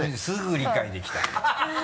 すぐ理解できた。